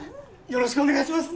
よろしくお願いします！